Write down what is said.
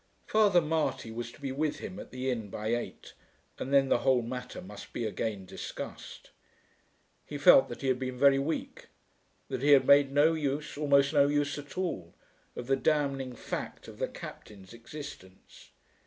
Father Marty was to be with him at the inn by eight, and then the whole matter must be again discussed. He felt that he had been very weak, that he had made no use, almost no use at all, of the damning fact of the Captain's existence.